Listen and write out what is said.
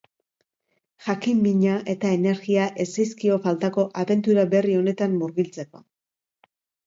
Jakin-mina eta energia ez zaizkio faltako abentura berri honetan murgiltzeko.